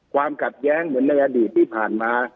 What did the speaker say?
ความขัดแย้งเหมือนในอดีตที่ผ่านมา